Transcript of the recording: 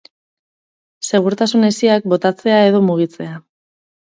Segurtasun hesiak botatzea edo mugitzea.